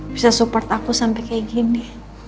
bisa support aku sampai kayak gini